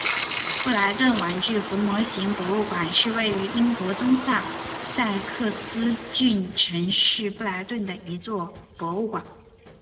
布莱顿玩具和模型博物馆是位于英国东萨塞克斯郡城市布莱顿的一座博物馆。